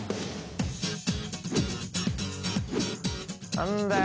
何だよ